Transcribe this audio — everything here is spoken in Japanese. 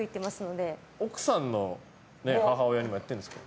奥さんの母親にもやってんですか？